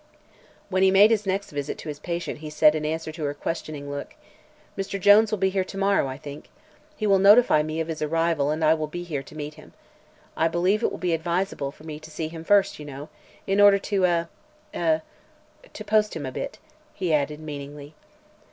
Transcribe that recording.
When he made his next visit to his patient he said in answer to her questioning look: "Mr. Jones will be here to morrow, I think. He will notify me of his arrival and I will be here to meet him. I believe it will be advisable for me to see him first, you know, in order to eh eh to post him a bit," he added, meaningly.